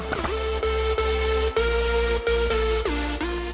saat berjalan saya mencoba berjalan